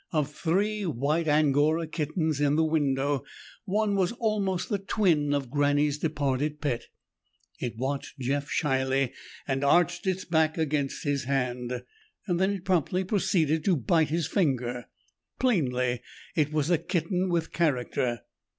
Of three white Angora kittens in the window, one was almost the twin of Granny's departed pet. It watched Jeff shyly, and arched its back against his hand. Then it promptly proceeded to bite his finger. Plainly it was a kitten with character.